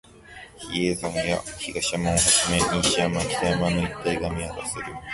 比叡山や東山をはじめ、西山、北山の一帯が見渡せる